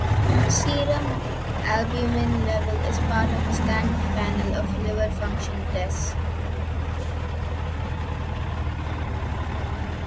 The serum albumin level is part of a standard panel of liver function tests.